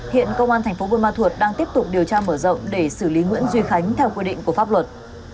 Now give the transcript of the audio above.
hiện công an thành phố buôn ma thuột đang tiếp tục điều tra mở rộng để xử lý nguyễn duy khánh theo quy định của pháp luật